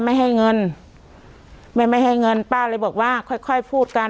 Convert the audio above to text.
ไม่ให้เงินไม่ไม่ให้เงินป้าเลยบอกว่าค่อยค่อยพูดกัน